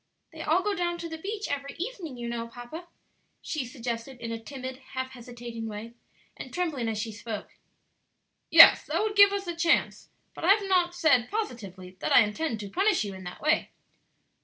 "They all go down to the beach every evening, you know, papa," she suggested in a timid, half hesitating way, and trembling as she spoke. "Yes, that would give us a chance; but I have not said positively that I intend to punish you in that way."